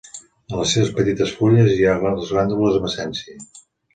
En les seves petites fulles hi ha glàndules amb essència.